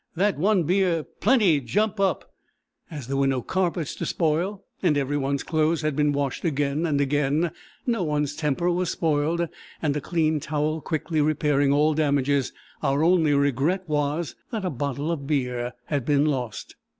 That one beer PLENTY jump up!" As there were no carpets to spoil, and every one's clothes had been washed again and again, no one's temper was spoiled, and a clean towel quickly repairing all damages, our only regret was that a bottle of beer had been lost.